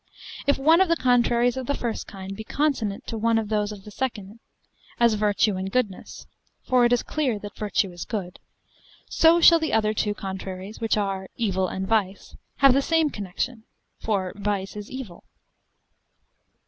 If one of the contraries of the first kind be consonant to one of those of the second, as virtue and goodness, for it is clear that virtue is good, so shall the other two contraries, which are evil and vice, have the same connection, for vice is evil.